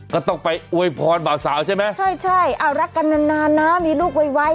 ก็ต้องไปอวยพรบ่าวสาวใช่ไหมใช่ใช่อ้าวรักกันนานนานนะมีลูกไว